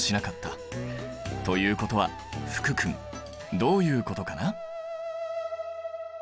ということは福君どういうことかな？